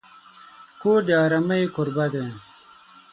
کور د آرامۍ کوربه دی.